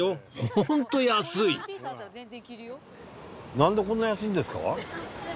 ホント安いなんでこんな安いんですか？